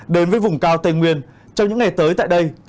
đến với vùng cao tây nguyên trong những ngày tới tại đây